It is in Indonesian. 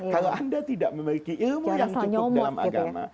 kalau anda tidak memiliki ilmu yang cukup dalam agama